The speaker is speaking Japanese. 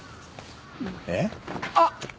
えっ？あっ！